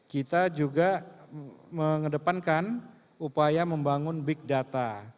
kita juga mengedepankan upaya membangun big data